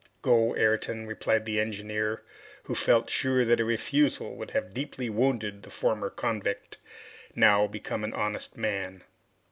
"Go, Ayrton," replied the engineer, who felt sure that a refusal would have deeply wounded the former convict, now become an honest man.